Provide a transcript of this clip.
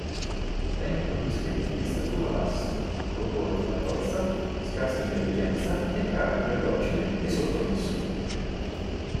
Vengono descritti di statura bassa, corporatura tozza, scarsa intelligenza e carattere docile e sottomesso.